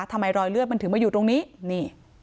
ทำไมรอยเลือดมันถึงมาอยู่ตรงนี้นี่